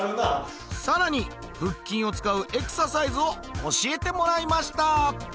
さらに腹筋を使うエクササイズを教えてもらいました